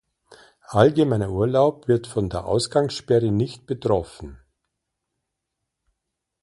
Allgemeiner Urlaub wird von der Ausgangssperre nicht betroffen.